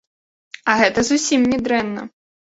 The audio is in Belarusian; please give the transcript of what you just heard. А гэта зусім не дрэнна!